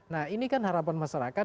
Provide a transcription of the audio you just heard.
nah ini kan harapan masyarakat